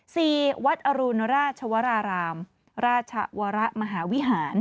วัดอรุณราชวรารามราชวรมหาวิหาร